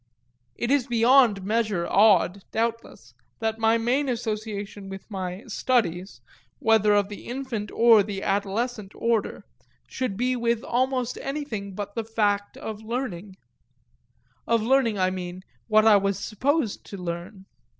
It is beyond measure odd, doubtless, that my main association with my "studies," whether of the infant or the adolescent order, should be with almost anything but the fact of learning of learning, I mean, what I was supposed to learn.